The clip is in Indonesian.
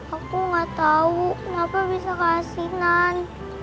aku gak tau kenapa bisa kehasilan